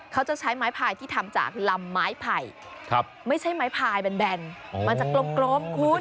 เขาจะใช้ไม้พายที่ทำจากลำไม้ไผ่ไม่ใช่ไม้พายแบนมันจะกลมคุณ